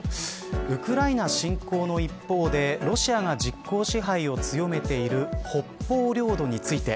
ウクライナ侵攻の一方でロシアが実効支配を強めている北方領土について。